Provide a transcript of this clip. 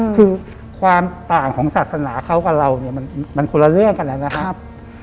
คือความต่างของศาสนาเขากับเราเนี่ยมันคนละเรื่องกันนะครับ